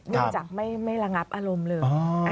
เนื่องจากไม่ระงับอารมณ์เลย